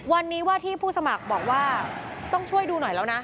วันนี้ว่าที่ผู้สมัครบอกว่าต้องช่วยดูหน่อยแล้วนะ